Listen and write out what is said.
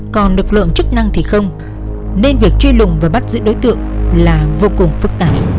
còn lực lượng chức năng thì không nên việc truy lùng và bắt giữ đối tượng là vô cùng phức tạp